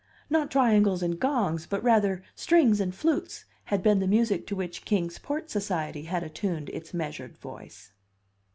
Not triangles and gongs, but rather strings and flutes, had been the music to which Kings Port society had attuned its measured voice.